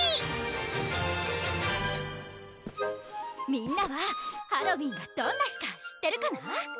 みんなはハロウィーンがどんな日か知ってるかな？